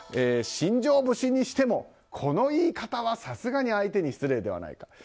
新庄節にしてもこの言い方は、さすがに相手に失礼ではないか。